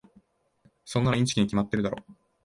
そんなのインチキに決まってるだろ。